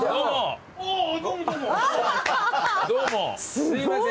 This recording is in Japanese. すいません。